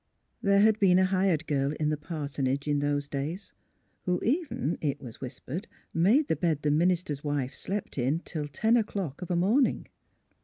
There had been a hired girl in the par sonage in those days, who even (it was whispered) made the bed the minister's wife slept in till ten o'clock of a morning.